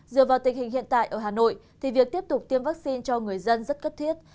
dựa vào tình hình hiện tại ở hà nội thì việc tiếp tục tiêm vaccine cho người dân rất cấp thiết